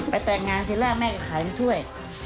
ไปแตกงานที่แรกแม่ก็ขายอันถ้วย